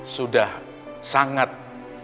sudah sangat kinerja